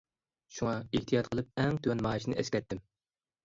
شۇڭا ئېھتىيات قىلىپ، ئەڭ تۆۋەن مائاشىنى ئەسكەرتتىم.